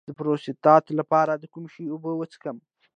د پروستات لپاره د کوم شي اوبه وڅښم؟